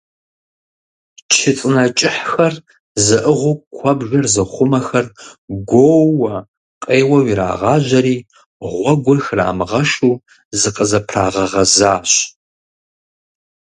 Чы цӀынэ кӀыхьхэр зыӀыгъыу куэбжэр зыхъумэхэр гуоууэ къеуэу ирагъажьэри, гъуэгур храмыгъэшу зыкъызэпрагъэгъэзащ.